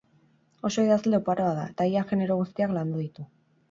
Oso idazle oparoa da, eta ia genero guztiak landu ditu.